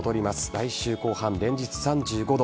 来週後半、連日３５度。